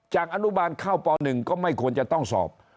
อนุบาลเข้าป๑ก็ไม่ควรจะต้องสอบ